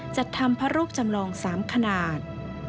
จัดทำพระรูปจำลอง๓ขนาด